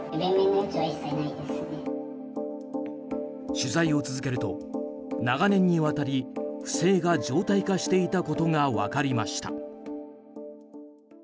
取材を続けると、長年にわたり不正が常態化していたことが分かりました。